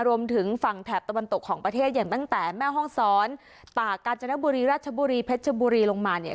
รวมถึงฝั่งแถบตะวันตกของประเทศอย่างตั้งแต่แม่ห้องซ้อนป่ากาญจนบุรีราชบุรีเพชรบุรีลงมาเนี่ย